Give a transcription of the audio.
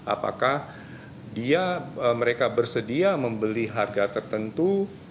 apakah dia mereka bersedia membeli harga tertentu